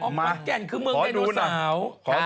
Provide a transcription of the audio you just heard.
ขอนแก่นคือเมืองไดโนเสาร์